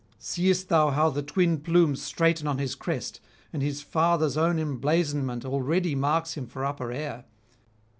Seest thou how the twin plumes straighten on his crest, and his father's own emblazonment already marks him for upper air?